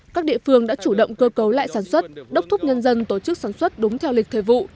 các địa phương đã chủ động cơ cấu lại sản xuất đốc thúc nhân dân tổ chức sản xuất đúng theo lịch thời vụ